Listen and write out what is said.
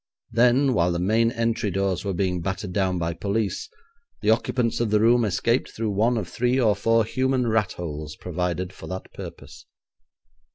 Then, while the main entry doors were being battered down by police, the occupants of the room escaped through one of three or four human rat holes provided for that purpose.